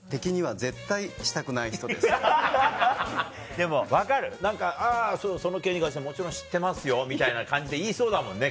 でも分かる何か「あぁその件に関してはもちろん知ってますよ」みたいな感じで言いそうだもんね